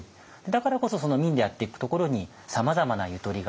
だからこそ民でやっていくところにさまざまなゆとりがあるし。